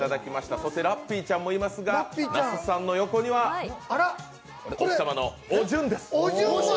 そして、ラッピーちゃんもいますが那須さんの横には、奥様のおじゅんです。